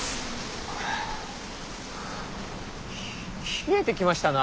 冷えてきましたな。